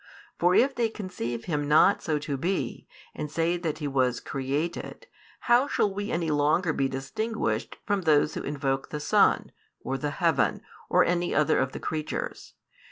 For if they conceive Him not so to be, and say that He was created, how shall we any longer be distinguished from those who invoke the sun, or the heaven, or any other of the creatures?